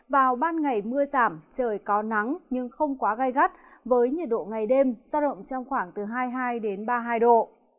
vào ban ngày mưa giảm trời có nắng nhưng không quá gai gắt với nhiệt độ ngày đêm giao động trong khoảng từ hai mươi hai ba mươi hai độ